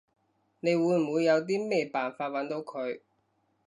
你會唔會有啲咩辦法搵到佢？